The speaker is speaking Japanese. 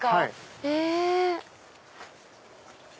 へぇ！